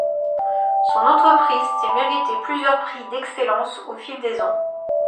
Son entreprise s'est méritée plusieurs prix d'excellence au fil des ans.